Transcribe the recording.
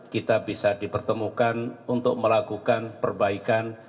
kita bisa dipertemukan untuk melakukan perbaikan